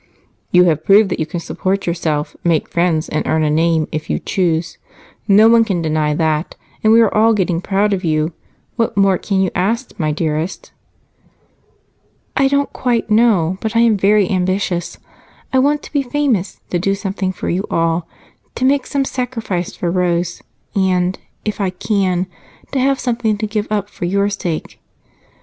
"You have proved that you can support yourself, make friends, and earn a name, if you choose. No one can deny that, and we are all getting proud of you. What more can you ask, my dearest?" "I don't quite know, but I am very ambitious. I want to be famous, to do something for you all, to make some sacrifice for Rose, and, if I can, to have something to give up for your sake.